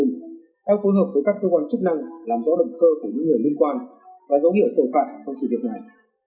theo phối hợp với các cơ quan chức năng làm rõ động cơ của những người liên quan và dấu hiệu tội phạm trong sự việc này